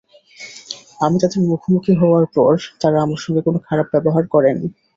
আমি তাদের মুখোমুখি হওয়ার পর, তারা আমার সঙ্গে কোনো খারাপ ব্যবহার করেনি।